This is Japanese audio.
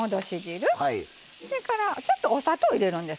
それからちょっとお砂糖を入れるんです。